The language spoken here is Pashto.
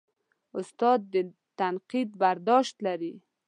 استاد د تنقید برداشت لري.